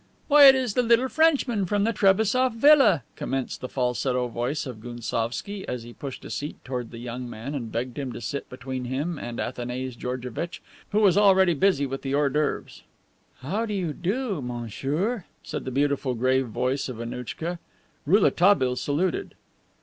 "Why, it is the little Frenchman from the Trebassof villa," commenced the falsetto voice of Gounsovski as he pushed a seat towards the young man and begged him to sit between him and Athanase Georgevitch, who was already busy with the hors d'oeuvres. "How do you do, monsieur?" said the beautiful, grave voice of Annouchka. Rouletabille saluted.